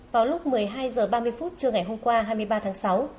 vào lúc một mươi hai h ba mươi phút trưa ngày hôm qua hai mươi ba tháng sáu